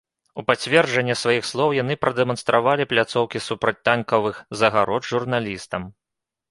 У пацверджанне сваіх слоў яны прадэманстравалі пляцоўкі супрацьтанкавых загарод журналістам.